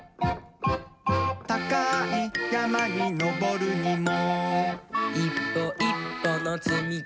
たかいやまにのぼるにもいっぽいっぽのつみかさねヤー！